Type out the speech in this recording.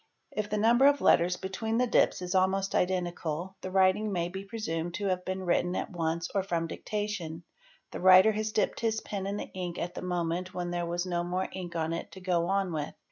If the number of letters between the dips is almost identical the writing may be presumed to have been written at once or from dictation ; the writer ~ has dipped his pen in the ink at the moment when there was no more ink on it to go on with.